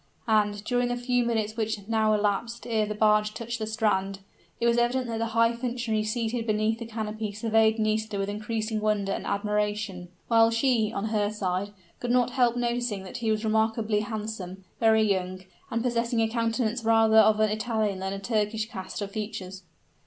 And, during the few minutes which now elapsed ere the barge touched the strand, it was evident that the high functionary seated beneath the canopy surveyed Nisida with increasing wonder and admiration; while she, on her side, could not help noticing that he was remarkably handsome, very young, and possessing a countenance rather of an Italian than a Turkish cast of features.